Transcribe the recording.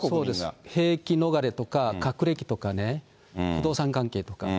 兵役逃れとか、学歴とかね、不動産関係とか。